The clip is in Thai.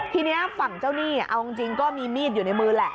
ทีนี้ฝั่งเจ้าหนี้เอาจริงก็มีมีดอยู่ในมือแหละ